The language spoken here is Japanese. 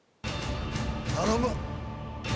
頼む！